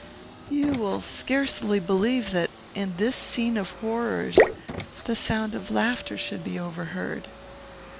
"You will scarcely believe that, in this scene of horrors, the sound of laughter should be overheard.